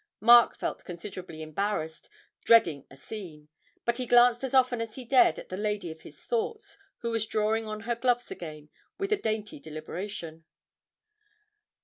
Mark felt considerably embarrassed, dreading a scene; but he glanced as often as he dared at the lady of his thoughts, who was drawing on her gloves again with a dainty deliberation.